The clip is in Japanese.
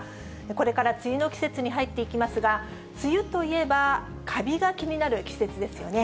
これから梅雨の季節に入っていきますが、梅雨といえば、かびが気になる季節ですよね。